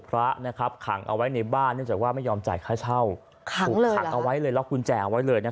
พระนะครับขังเอาไว้ในบ้านเนื่องจากว่าไม่ยอมจ่าย